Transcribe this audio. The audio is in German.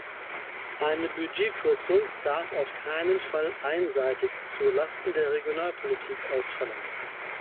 Eine Budgetkürzung darf auf keinen Fall einseitig zu Lasten der Regionalpolitik ausfallen.